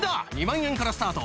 ２万円からスタート。